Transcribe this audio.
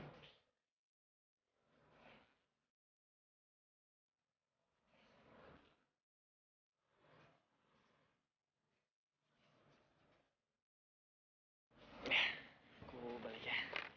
ya aku balik ya